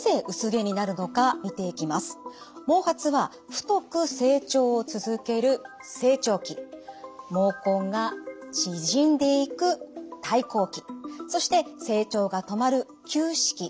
毛髪は太く成長を続ける成長期毛根が縮んでいく退行期そして成長が止まる休止期